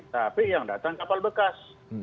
tapi yang datang kapal bekas